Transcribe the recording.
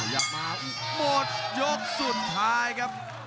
กลับมาหมดยกสุดท้ายครับ